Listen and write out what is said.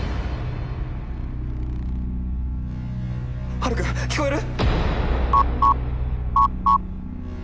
ハルくん聞こえる！？